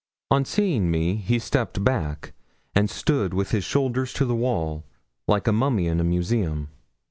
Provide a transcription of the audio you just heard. On seeing me he stepped back, and stood with his shoulders to the wall, like a mummy in a museum.